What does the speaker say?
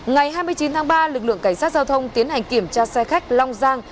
ngày hai mươi chín tháng ba lực lượng cảnh sát giao thông tiến hành kiểm tra xe khách long giang